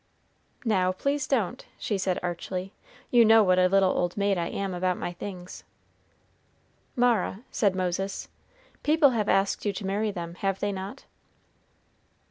"Now, please don't," said she, archly. "You know what a little old maid I am about my things!" "Mara," said Moses, "people have asked you to marry them, have they not?"